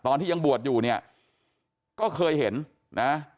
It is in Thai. ตอนที่ยังบวชอยู่เนี่ยก็เคยเห็นนะ